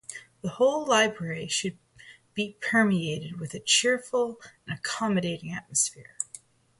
The whole library should be permeated with a cheerful and accommodating atmosphere.